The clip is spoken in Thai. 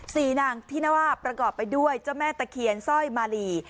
นางที่นว่าประกอบไปด้วยเจ้าแม่ตะเคียนสร้อยมาลี